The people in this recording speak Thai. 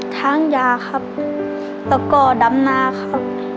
ทางยาครับแล้วก็ดำนาครับ